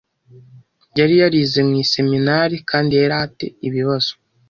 Yari yarize mu iseminari kandi yari a te ibibazo